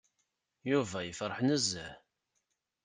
Yuba yefreḥ nezzeh.